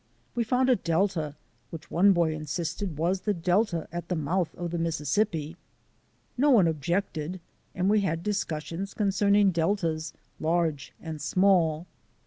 We found a delta which one boy insisted was the delta at the mouth of the Mississippi. No one objected and we had discus sions concerning deltas, large and small.